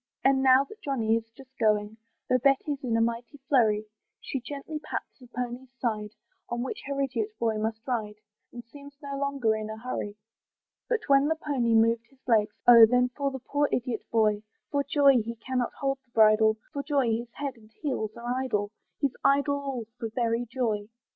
And now that Johnny is just going, Though Betty's in a mighty flurry, She gently pats the pony's side, On which her idiot boy must ride, And seems no longer in a hurry. But when the pony moved his legs, Oh! then for the poor idiot boy! For joy he cannot hold the bridle, For joy his head and heels are idle, He's idle all for very joy.